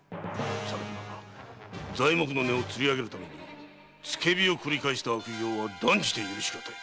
さらには材木の値をつりあげるために付け火をくり返した悪行は断じて許しがたい。